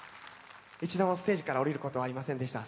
一度もステージから下りることはありませんでした。